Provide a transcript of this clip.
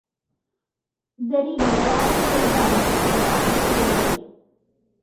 Deriva de l'arma que usaven els soldats de cavalleria.